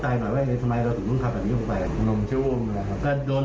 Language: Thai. อย่างนี้ถ้าเผื่อแล้วพ่อแม่รู้เรื่องแล้วพ่อแม่มันเดือดร้อน